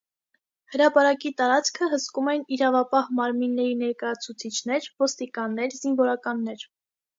Հրապարակի տարածքը հսկում էին իրավապահ մարմինների ներկայացուցիչներ, ոստիկաններ, զինվորականներ։